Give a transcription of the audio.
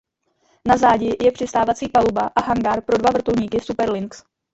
Na zádi je přistávací paluba a hangár pro dva vrtulníky Super Lynx.